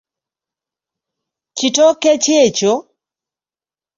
Kitooke ki ekyo?